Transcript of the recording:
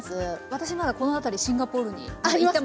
私まだこの辺りシンガポールに行ったまま。